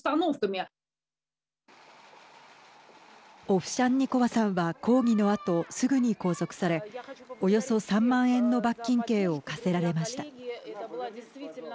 オフシャンニコワさんは抗議のあとすぐに拘束されおよそ３万円の罰金刑を科せられました。